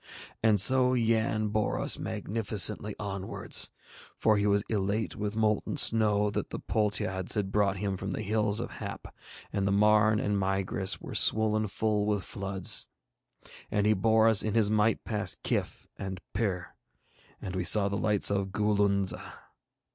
And so Yann bore us magnificently onwards, for he was elate with molten snow that the Poltiades had brought him from the Hills of Hap, and the Marn and Migris were swollen full with floods; and he bore us in his might past Kyph and Pir, and we saw the lights of Goolunza.